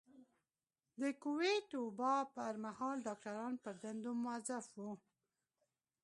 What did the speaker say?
د کوويډ وبا پر مهال ډاکټران پر دندو مؤظف وو.